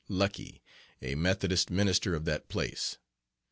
Lucky, a Methodist minister of that place.